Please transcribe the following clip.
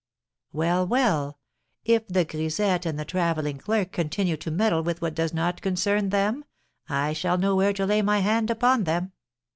Well, well, if the grisette and the travelling clerk continue to meddle with what does not concern them, I shall know where to lay my hand upon them."